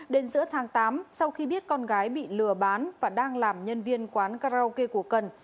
đến giữa tháng tám sau khi biết con gái bị lừa bán và đang làm nhân viên quán karaoke của cần